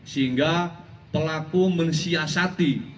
sehingga pelaku mensiasati